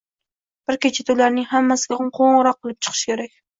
bir kechada ularning hammasiga qoʻngʻiroq qilib chiqish kerak.